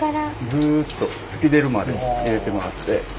ずっと突き出るまで入れてもらって。